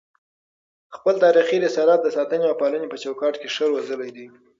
خپل تاریخي رسالت د ساتني او پالني په چوکاټ کي ښه روزلی دی